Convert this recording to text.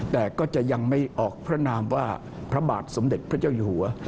แต่ก็จะยังไม่ออกพระนามว่าพระบาทสมเด็จพระเจ้าอยู่หัว